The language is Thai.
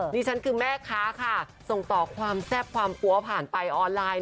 นี่ฉันก็คือแม่ค้าส่งต่อความแซ่บความกลัวผ่านไปออนไลน์